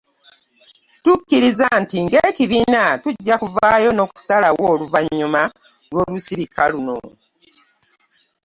Tukkiriza nti ng'ekibiina tujja kuvaayo n'okusalawo oluvannyuma lw'Olusirika luno.